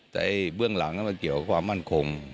แต่เบื้องหลังนั้นมันเกี่ยวกับความมั่นคง